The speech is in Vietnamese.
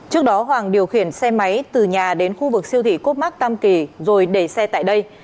trước đó hoàng điều khiển xe máy từ nhà đến khu vực siêu thị cốt mắc tam kỳ rồi để xe tại đây